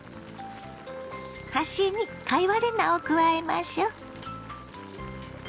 端に貝割れ菜を加えましょ。